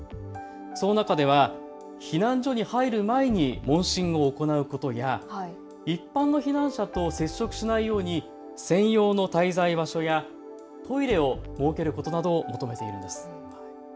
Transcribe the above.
その中では避難所に入る前に問診を行うことや一般の避難者と接触しないように専用の滞在場所やトイレを設けることなどを求めているんです。